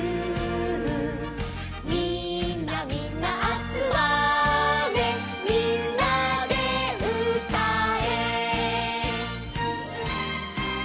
「みんなみんなあつまれ」「みんなでうたえ」